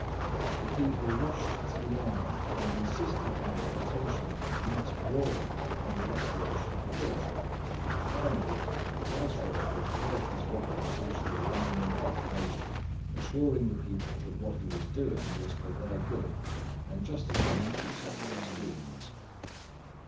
"The people rushed to the Yamên, and insisted by deputation and mass brawling on the restoration of the bridge. "Finally, the viceroy thought it worth his while to issue a rhyming proclamation, assuring the people that what he was doing was for their good, and justifying his several schemes."